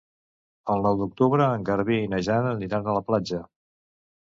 El nou d'octubre en Garbí i na Jana aniran a la platja.